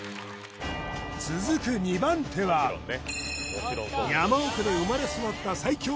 続く２番手は山奥で生まれ育った最強